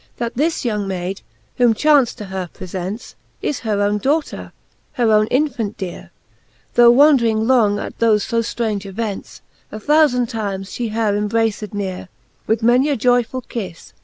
That this young Mayd, whom chance to her prefents Is her owne daughter, her owne infant deare. Tho wondring long at thofe fo flraunge events, A thoufand times fhe her embraced nere, With many a joyful kiffe.